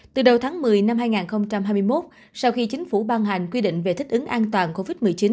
từ đầu tháng một mươi năm hai nghìn hai mươi một sau khi chính phủ ban hành quy định về thích ứng an toàn covid một mươi chín